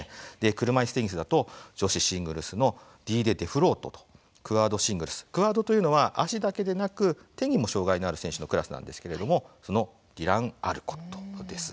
車いすテニスだと女子シングルスのディーデ・デフロートとクアードシングルスクアードというのは足だけでなく手にも障害のある選手のクラスなんですけれどもそのディラン・アルコットです。